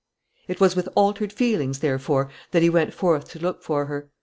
It was with altered feelings, therefore, that he went forth to look for her.